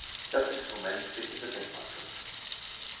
Das Instrument steht unter Denkmalschutz.